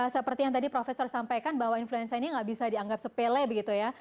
seperti yang tadi profesor sampaikan bahwa influenza ini nggak bisa dianggap sepele begitu ya